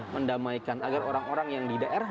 mendamaikan agar orang orang yang di daerah